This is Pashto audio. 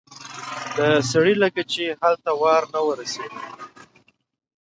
د سړي لکه چې هلته وار نه و رسېدلی.